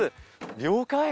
了解。